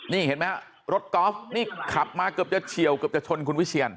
นี่เห็นไหมฮะรถกอล์ฟนี่ขับมาเกือบจะเฉียวเกือบจะชนคุณวิเชียน